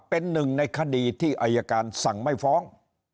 เป็นหนึ่งในคดีที่อายการสั่งไม่ฟ้อง